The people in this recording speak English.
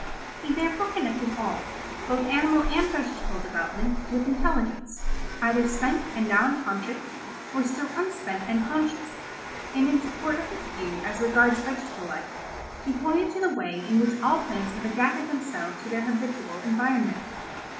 He therefore connected all, both animal and vegetable development, with intelligence, either spent and now unconscious, or still unspent and conscious; and in support of his view as regards vegetable life, he pointed to the way in which all plants have adapted themselves to their habitual environment.